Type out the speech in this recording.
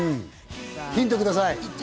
ヒントください。